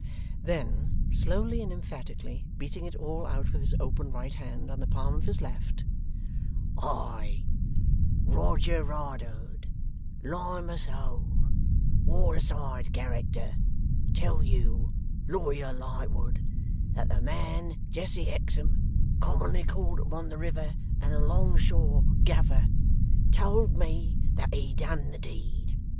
Then, slowly and emphatically beating it all out with his open right hand on the palm of his left; 'I, Roger Riderhood, Lime'us Hole, Waterside character, tell you, Lawyer Lightwood, that the man Jesse Hexam, commonly called upon the river and along shore Gaffer, told me that he done the deed.